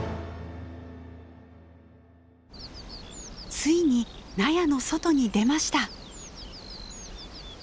ついに納屋の外に出ました。